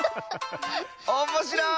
おっもしろい！